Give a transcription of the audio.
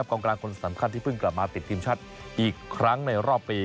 กลางคนสำคัญที่เพิ่งกลับมาติดทีมชาติอีกครั้งในรอบปี